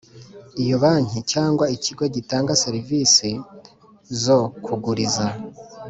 Iyo banki cyangwa ikigo gitanga serivisi zo kuguriza